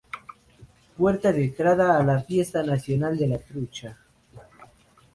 Puerta de entrada a La Fiesta Nacional de la Trucha.